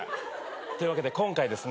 というわけで今回ですね